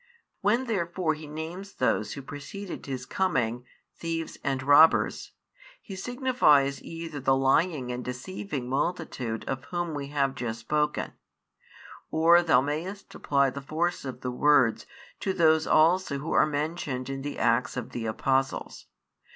When therefore He names those who preceded His coming thieves and robbers, He signifies either the lying and deceiving multitude of whom we have just spoken, or thou mayest apply the force of the words to those also who are mentioned in the Acts of the Apostles.